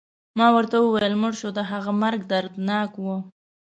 ما ورته وویل: مړ شو، د هغه مرګ دردناک و.